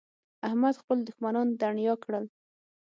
احمد خپل دوښمنان دڼيا کړل.